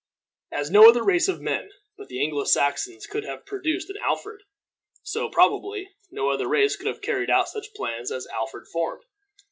As no other race of men but Anglo Saxons could have produced an Alfred, so, probably, no other race could have carried out such plans as Alfred formed.